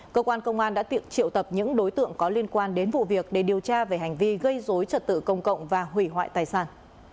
cơ quan công an đã triệu tập những đối tượng có liên quan đến vụ việc để điều tra về hành vi gây dối trật tự công cộng và hủy hoại tài sản